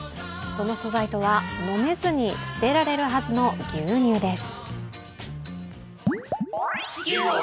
その素材とは、飲めずに捨てられるはずの牛乳です。